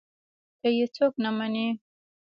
که يې څوک نه مني.